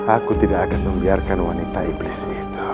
aku tidak akan membiarkan wanita iblis itu